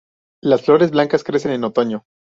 Las flores blancas crecen en otoño.